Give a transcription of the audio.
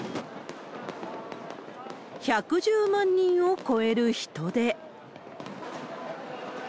１１０万人を超える人出。